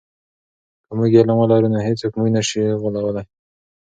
که موږ علم ولرو نو هیڅوک موږ نه سی غولولی.